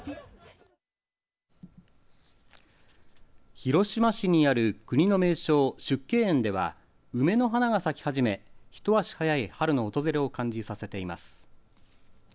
広島市にある国の名勝縮景園では梅の花が咲き始め一足早い春の訪れを感じさせています。